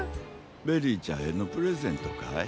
ベリーちゃんへのプレゼントかい？